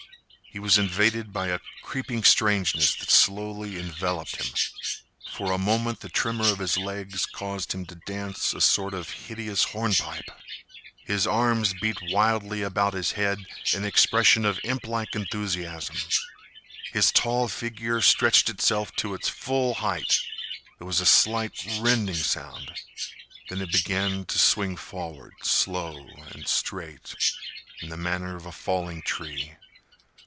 He was invaded by a creeping strangeness that slowly enveloped him. For a moment the tremor of his legs caused him to dance a sort of hideous hornpipe. His arms beat wildly about his head in expression of implike enthusiasm. His tall figure stretched itself to its full height. There was a slight rending sound. Then it began to swing forward, slow and straight, in the manner of a falling tree.